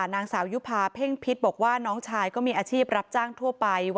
นางสาวยุภาเพ่งพิษบอกว่าน้องชายก็มีอาชีพรับจ้างทั่วไป